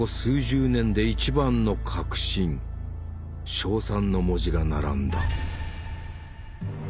称賛の文字が並んだ。